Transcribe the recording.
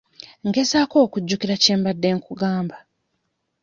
Ngezaako okujjukira kye mbadde nkugamba.